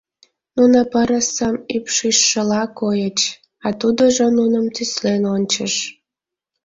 Нуно пырысым ӱпшычшыла койыч, а тудыжо нуным тӱслен ончыш.